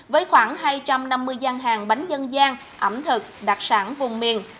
với khoảng hai trăm năm mươi gian hàng bánh dân gian ẩm thực đặc sản vùng miền